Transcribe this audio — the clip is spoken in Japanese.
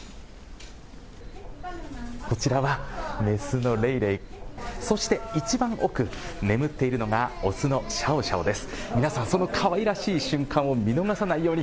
こちらはメスのレイレイ、そしていちばん奥、眠っているのがオスのシャオシャオです。